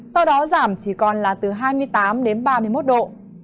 sau đó giảm chỉ còn là từ hai mươi tám đến ba mươi một độ